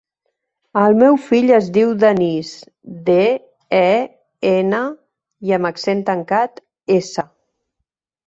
El meu fill es diu Denís: de, e, ena, i amb accent tancat, essa.